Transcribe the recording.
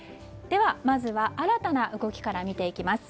では、まずは新たな動きから見ていきます。